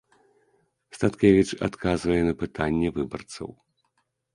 Статкевіч адказвае на пытанні выбарцаў.